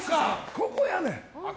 ここやねん。